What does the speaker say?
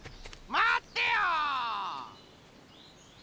まってよ！